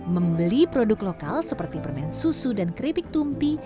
membeli produk lokal seperti permen susu dan keripik tumpi